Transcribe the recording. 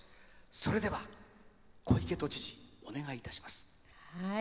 それでは小池都知事、お願いいたします。